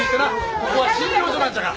ここは診療所なんじゃから。